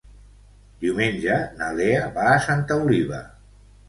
Diumenge na Lea va a Santa Oliva.